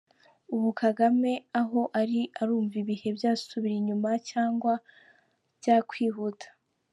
Ubu Kagame aho ari arumva ibihe byasubira inyuma cyngwa byakwihuta.